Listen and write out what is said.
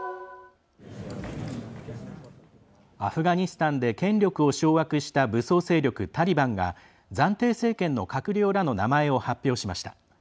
アフガニスタンで権力を掌握した武装勢力タリバンが暫定政権の閣僚らの名前を発表しました。